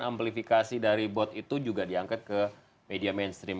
amplifikasi dari bot itu juga diangkat ke media mainstream